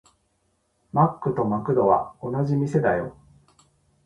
マックとマクドは同じ店だよ。